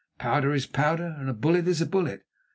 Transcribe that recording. "Powder is powder, and a bullet is a bullet."